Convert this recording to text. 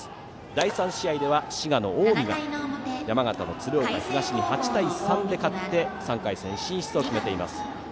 第３試合は滋賀の近江が山形の鶴岡東に８対３で勝って３回戦進出を決めています。